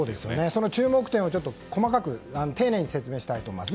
その注目点を細かく丁寧に説明したいと思います。